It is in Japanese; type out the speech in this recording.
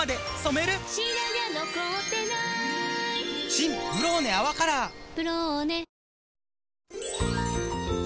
新「ブローネ泡カラー」「ブローネ」